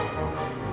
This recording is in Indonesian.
mana sih kena